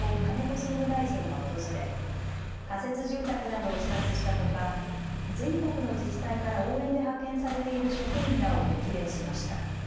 総務大臣が訪れ仮設住宅などを視察したほか全国の自治体から応援で派遣されている職員らを激励しました。